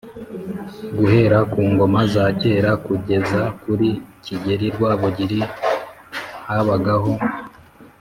Guhera ku ngoma za kera kugeza kuri Kigeri Rwabugiri, habagaho